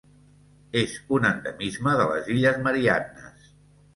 És un endemisme de les Illes Mariannes.